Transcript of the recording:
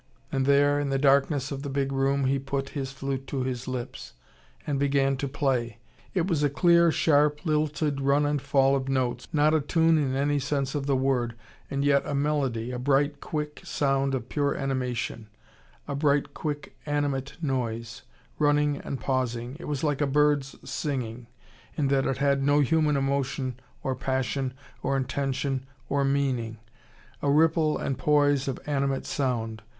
And there, in the darkness of the big room, he put his flute to his lips, and began to play. It was a clear, sharp, lilted run and fall of notes, not a tune in any sense of the word, and yet a melody, a bright, quick sound of pure animation, a bright, quick, animate noise, running and pausing. It was like a bird's singing, in that it had no human emotion or passion or intention or meaning a ripple and poise of animate sound.